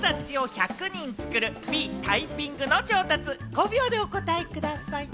５秒でお答えください。